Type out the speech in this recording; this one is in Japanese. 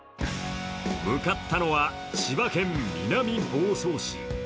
向かったのは、千葉県南房総市。